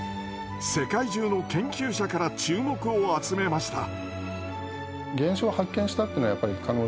世界中の研究者から注目を集めました。